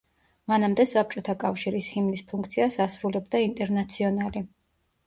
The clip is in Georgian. მანამდე საბჭოთა კავშირის ჰიმნის ფუნქციას ასრულებდა ინტერნაციონალი.